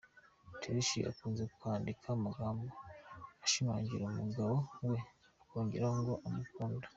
Tricia akunze kwandika amagambo ashimagiza umugabo we akongeraho ko ‘amukunda’.